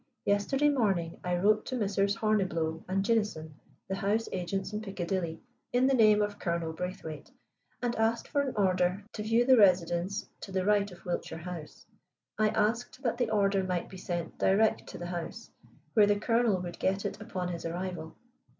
"Yesterday morning I wrote to Messrs. Horniblow and Jinison, the house agents in Piccadilly, in the name of Colonel Braithwaite, and asked for an order to view the residence to the right of Wiltshire House. I asked that the order might be sent direct to the house, where the Colonel would get it upon his arrival.